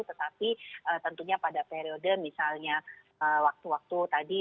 tetapi tentunya pada periode misalnya waktu waktu tadi